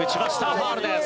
ファウルです。